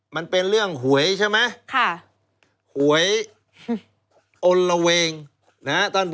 มันเป็นเรื่องหวยใช่ไหม